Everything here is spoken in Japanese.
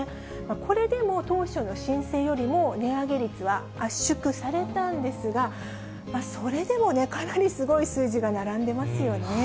これでも当初の申請よりも値上げ率は圧縮されたんですが、それでもかなりすごい数字が並んでますよね。